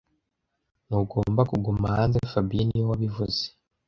Ntugomba kuguma hanze fabien niwe wabivuze